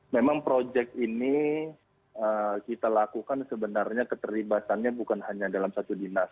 memang proyek ini kita lakukan sebenarnya keterlibatannya bukan hanya dalam satu dinas